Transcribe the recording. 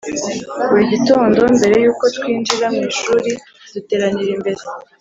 buri gitondo mbere y'uko twinjira mu ishuri, duteranira imbere